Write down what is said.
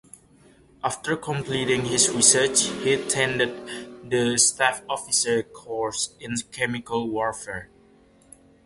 After completing his research he attended the staff officers course in chemical warfare.